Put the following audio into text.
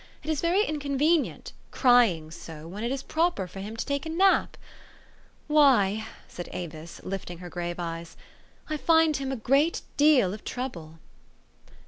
It is very inconvenient, crying so, when it is proper for him to take a nap. Why," said Avis, lifting her grave eyes, " I find him a great deal of trouble!